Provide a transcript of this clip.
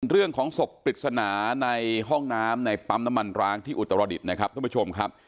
เรื่องของศพปริศนาในห้องน้ำในปั๊มน้ำมันร้างที่อุตรดิษฐ์นะครับท่านผู้ชมครับ